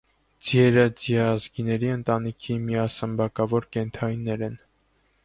Ձիերը ձիազգիների ընտանիքի միասմբակավոր կենդանիներ են։